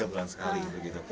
tiga bulan sekali begitu